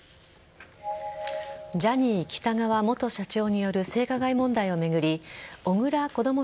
ジャニー喜多川元社長による性加害問題を巡り小倉こども